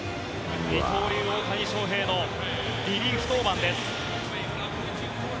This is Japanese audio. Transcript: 二刀流、大谷翔平のリリーフ登板です。